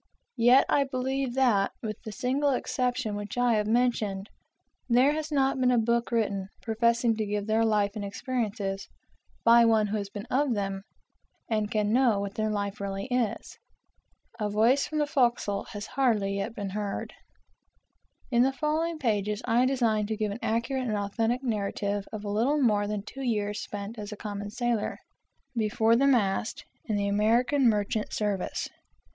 Yet I believe that, with the single exception which I have mentioned, there has not been a book written, professing to give their life and experiences, by one who has been of them, and can know what their life really is. A voice from the forecastle has hardly yet been heard. In the following pages I design to give an accurate and authentic narrative of a little more than two years spent as a common sailor, before the mast, in the American merchant service.